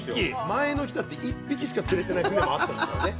前の日だって１匹しか釣れてない日もあったんですからね。